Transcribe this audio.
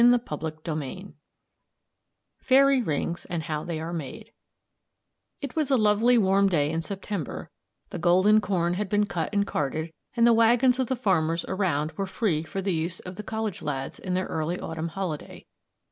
CHAPTER III FAIRY RINGS AND HOW THEY ARE MADE It was a lovely warm day in September, the golden corn had been cut and carted, and the waggons of the farmers around were free for the use of the college lads in their yearly autumn holiday.